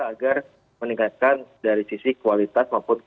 agar meningkatkan dari sisi kualitas maupun